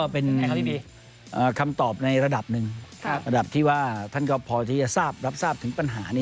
เป็นคำตอบในระดับนึงที่ว่าท่านเขาพอที่จะรับทราบถึง